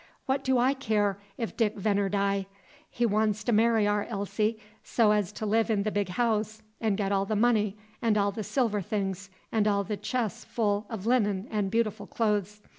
What do I care, if Dick Venner die? He wan's to marry our Elsie so 's to live in the big house 'n' get all the money 'n' all the silver things 'n' all the chists full o' linen 'n' beautiful clothes.